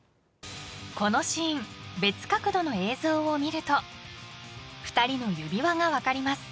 ［このシーン別角度の映像を見ると二人の指輪が分かります］